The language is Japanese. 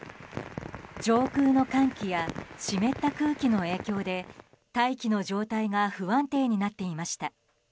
上空の寒気や湿った空気の影響で大気の状態が不安定になっていました。